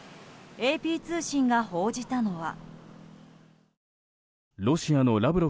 ＡＰ通信が報じたのは。